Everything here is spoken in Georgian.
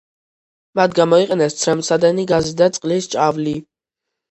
მათ გამოიყენეს ცრემლსადენი გაზი და წყლის ჭავლი.